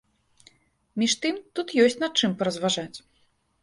Між тым, тут ёсць на чым паразважаць.